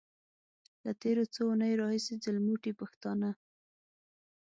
له تېرو څو اونيو راهيسې ځلموټي پښتانه.